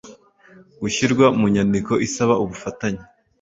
gushyirwa mu nyandiko isaba ubufatanye